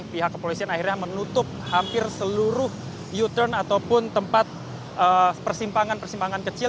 pihak kepolisian akhirnya menutup hampir seluruh u turn ataupun tempat persimpangan persimpangan kecil